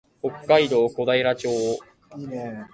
北海道小平町